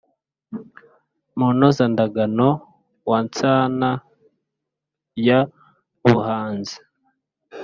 munozandagano wa nsana ya buhanzi,